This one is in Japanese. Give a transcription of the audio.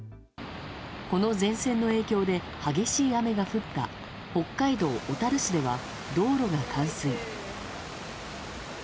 この前線の影響で激しい雨が降った北海道小樽市では道路が冠水。